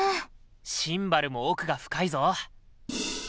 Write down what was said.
シンバルも奥が深いぞ。